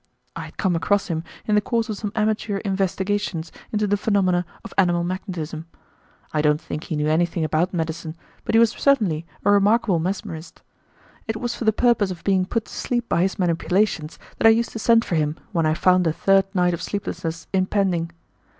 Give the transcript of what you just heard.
I had come across him in the course of some amateur investigations into the phenomena of animal magnetism. I don't think he knew anything about medicine, but he was certainly a remarkable mesmerist. It was for the purpose of being put to sleep by his manipulations that I used to send for him when I found a third night of sleeplessness impending.